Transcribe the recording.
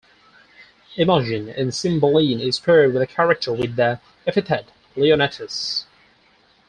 Imogen in "Cymbeline" is paired with a character with the epithet "Leonatus".